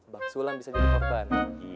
bang sulam bisa jadi korban